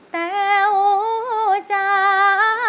แต้วจ้า